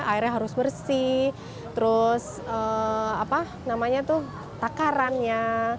airnya harus bersih terus takarannya